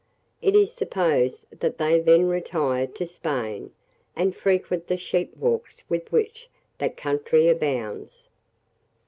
It is supposed that they then retire to Spain, and frequent the sheep walks with which that country abounds.